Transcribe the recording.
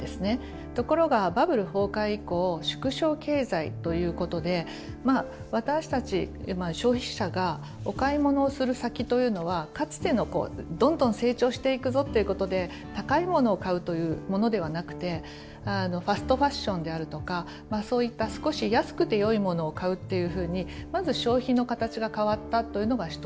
ところがバブル崩壊以降縮小経済ということでまあ私たち消費者がお買い物をする先というのはかつてのどんどん成長していくぞということで高いものを買うというものではなくてファストファッションであるとかそういった少し安くてよいものを買うっていうふうにまず消費の形が変わったというのが一つ。